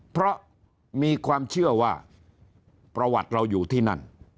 เพราะมีความเชื่อว่าประวัติเราอยู่ที่นั่น